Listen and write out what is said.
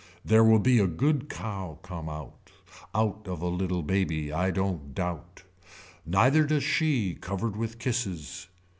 There will be a good cow come out. Out of a little baby I don't doubt. Neither does she covered with kisses.